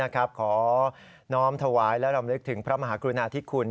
ขอน้อมถวายและรำลึกถึงพระมหากรุณาธิคุณ